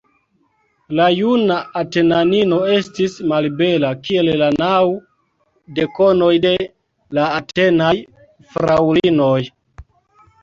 La juna Atenanino estis malbela, kiel la naŭ dekonoj de la Atenaj fraŭlinoj.